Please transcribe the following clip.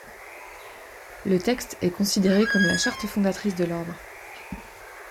Le texte est considéré comme la charte fondatrice de l’Ordre.